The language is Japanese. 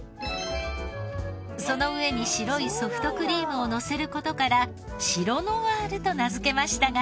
その上に白いソフトクリームをのせる事からシロノワールと名付けましたが。